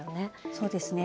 そうですね。